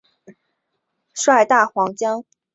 率大湟江一带会众赴金田参加起义。